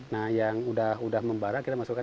nah yang udah membara kita masukkan